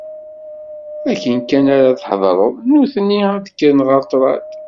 Akken kan ara d-hedreɣ, nutni ad d-kkren ɣer ṭṭrad.